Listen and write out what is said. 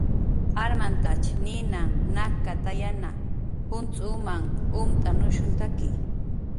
Armantach ninanh nakkatayanha, juncx'umanh umt'anushuntaki